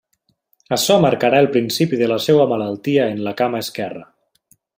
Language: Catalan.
Açò marcarà el principi de la seua malaltia en la cama esquerra.